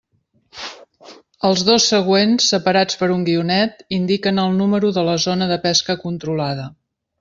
Els dos següents, separats per un guionet, indiquen el número de la zona de pesca controlada.